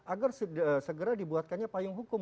agar segera dibuatkannya payung hukum